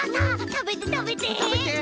たべてたべて！